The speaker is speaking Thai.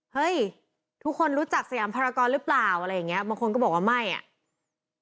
เฮ้ยทุกคนรู้จักสยามภารกรหรือเปล่าอะไรอย่างเงี้บางคนก็บอกว่าไม่อ่ะ